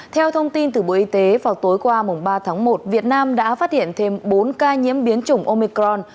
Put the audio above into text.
theo thông tin từ bộ y tế vào tối qua ba tháng một việt nam đã phát hiện thêm bốn ca nhiễm biến chủng omicron